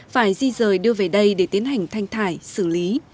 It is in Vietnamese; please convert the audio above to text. phải di rời đưa về đây để tiến hành thanh thải xử lý